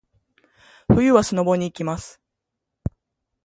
冬はスノボに行きます。